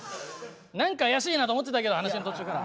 何か怪しいなと思ってたけど話の途中から。